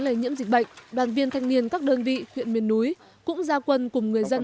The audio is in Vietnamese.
lây nhiễm dịch bệnh đoàn viên thanh niên các đơn vị huyện miền núi cũng ra quân cùng người dân